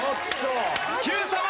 Ｑさま！！